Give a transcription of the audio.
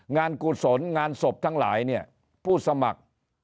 กุศลงานศพทั้งหลายเนี่ยผู้สมัคร